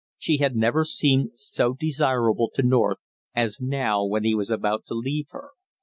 She had never seemed so desirable to North as now when he was about to leave her.